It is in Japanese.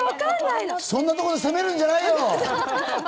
そんなところで攻めるんじゃないよ。